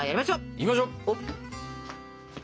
行きましょう！